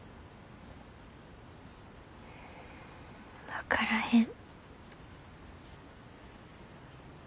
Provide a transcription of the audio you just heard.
分からへん。